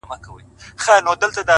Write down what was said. • خود دي خالـونه پــه واوښتــل؛